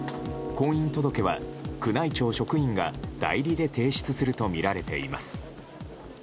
婚姻届は宮内庁職員が代理で提出するとみられています。